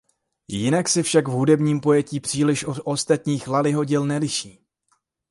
Jinak se však v hudebním pojetí příliš od ostatních Lullyho děl neliší.